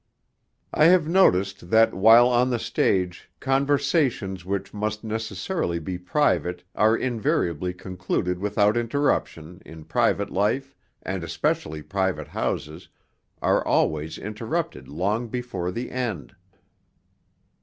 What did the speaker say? I have noticed that while on the stage, conversations which must necessarily be private are invariably concluded without interruption, in private life, and especially private houses, are always interrupted long before the end.